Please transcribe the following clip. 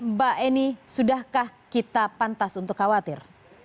mbak eni sudahkah kita pantas untuk khawatir